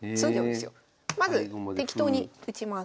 まず適当に打ちます。